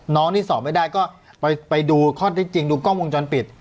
น้องที่สอบไม่ได้ก็ไปดูข้อที่จริงดูกล้องวงจรปิด